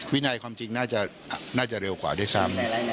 วินัยความจริงน่าจะเร็วกว่าด้วยซ้ำ